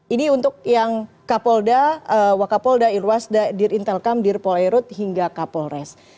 ini untuk yang kapolda wakapolda irwasda dir intelkam dir paul airut hingga kapolres